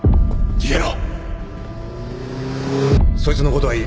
逃げろ！